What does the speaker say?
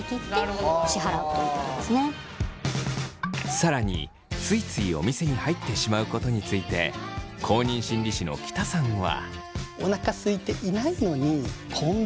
さらについついお店に入ってしまうことについて公認心理師の喜田さんは。